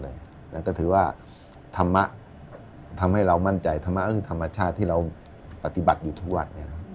แล้วก็ถือว่าธรรมะทำให้เรามั่นใจธรรมะก็คือธรรมชาติที่เราปฏิบัติอยู่ทุกวัด